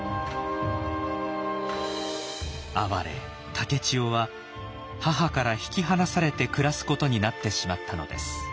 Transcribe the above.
哀れ竹千代は母から引き離されて暮らすことになってしまったのです。